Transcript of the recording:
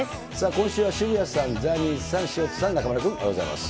今週は渋谷さん、ザニーさん、潮田さん、中丸君、おはようございます。